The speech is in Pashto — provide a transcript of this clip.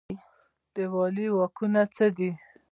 د والي واکونه څه دي؟